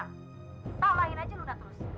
nyalahin aja luna terus